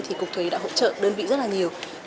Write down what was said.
thì cục thuế đã hỗ trợ đơn vị rất là nhiều